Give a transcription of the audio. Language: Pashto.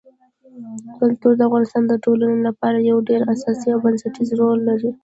کلتور د افغانستان د ټولنې لپاره یو ډېر اساسي او بنسټيز رول لري.